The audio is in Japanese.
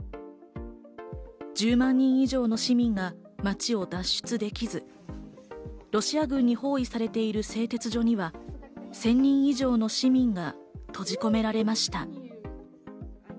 １０万人以上もの市民が街を脱出できず、ロシア軍に包囲されている製鉄所には１０００人以上の市民が閉じ込められました。